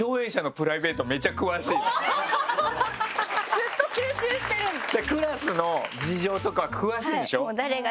ずっと収集してるんですね。